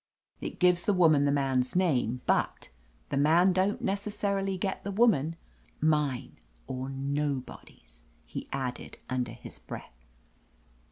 It gives the woman the man's name, but — ^the man don't necessarily get the woman. Mine — or no body's," he added under his breath.